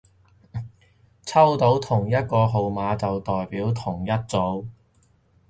抽到同一個號碼就代表同一組